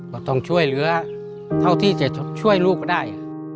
ต้องช่วยเหลือเท่าที่จะช่วยลูกก็ได้